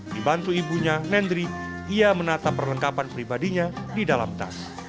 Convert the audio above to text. dibantu ibunya nendri ia menatap perlengkapan pribadinya di dalam tas